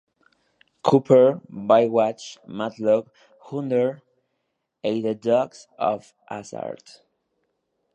Cooper", "Baywatch", "Matlock", "Hunter" y "The Dukes of Hazzard".